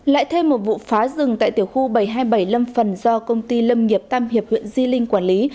lại thêm một vụ phá rừng tại tiểu khu bảy trăm hai mươi bảy lâm phần do công ty lâm nghiệp tam hiệp huyện di linh quản lý